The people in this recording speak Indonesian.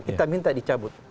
kita minta dicabut